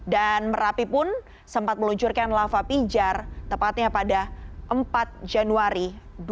dan merapi pun sempat meluncurkan lava pijar tepatnya pada empat januari dua ribu dua puluh satu